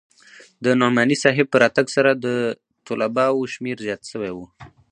د نعماني صاحب په راتگ سره د طلباوو شمېر زيات سوى و.